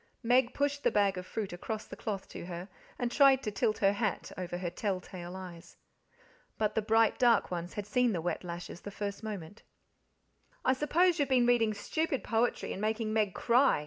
Meg pushed the bag of fruit across the cloth to her, and tried to tilt her hat over her tell tale eyes. But the bright dark ones had seen the wet lashes the first moment. "I s'pose you've been reading stupid poetry and making Meg cry?"